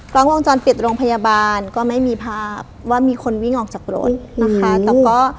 กล้องวงจรปิดโรงพยาบาลก็ไม่มีภาพว่ามีคนวิ่งออกจากรถนะคะแต่ก็